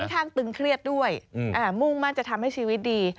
ข้างตึงเครียดด้วยมุ่งมั่นจะทำให้ชีวิตดี